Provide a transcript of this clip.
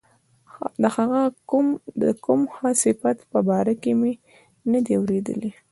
د هغه د کوم ښه صفت په باره کې مې نه دي اوریدلي.